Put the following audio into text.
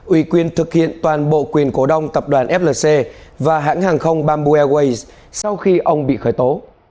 ủy quyền thực hiện toàn bộ quyền cổ đông tập đoàn flc và hãng hàng không bamboo airways sau khi ông bị khởi tố